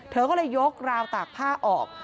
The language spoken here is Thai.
เธอก็เลยยกราวตากผ้าออก